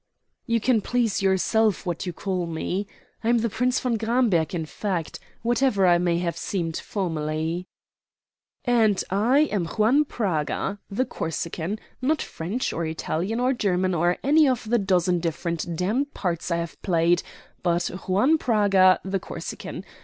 "You can please yourself what you call me. I am the Prince von Gramberg in fact, whatever I may have seemed formerly." "And I am Juan Praga, the Corsican. Not French, or Italian, or German, or any of the dozen different damned parts I have played; but Juan Praga, the Corsican.